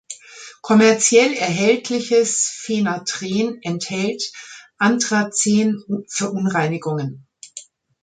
Kommerziell erhältliches Phenanthren enthält Anthracen-Verunreinigungen.